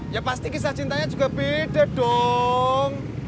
ya pasti kisah cintanya juga beda dong